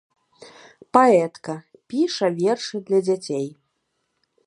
Паэтка, піша вершы для дзяцей.